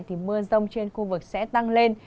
thì mưa rông trên khu vực sẽ tăng lên